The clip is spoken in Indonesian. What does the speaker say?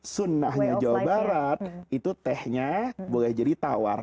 sunnahnya jawa barat itu tehnya boleh jadi tawar